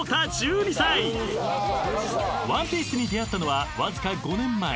［『ワンピース』に出会ったのはわずか５年前］